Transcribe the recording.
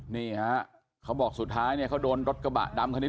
นี่ฮะเขาบอกสุดท้ายเนี่ยเขาโดนรถกระบะดำคันนี้